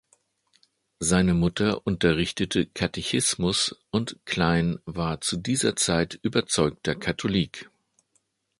Seine Mutter unterrichtete Katechismus und Clain war zu dieser Zeit überzeugter Katholik.